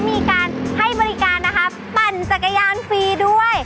มีการให้บริการนะคะปั่นจักรยานฟรีด้วย